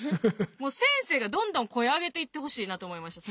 もう先生がどんどん声上げていってほしいなと思いました。